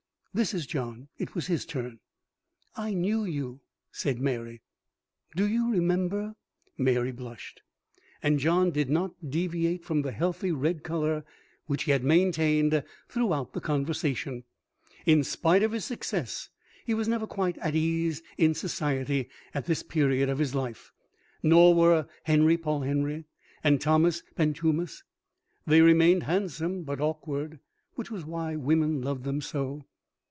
(This is John. It was his turn.) "I knew you." (Said Mary.) "Do you remember " Mary blushed, and John did not deviate from the healthy red colour which he had maintained throughout the conversation. In spite of his success he was never quite at ease in society at this period of his life. Nor were Henry Polhenery and Thomas Pentummas. They remained handsome but awkward, which was why women loved them so.